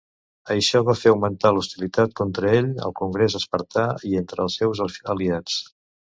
Això va fer augmentar l'hostilitat contra ell al congrés espartà i entre els seus aliats.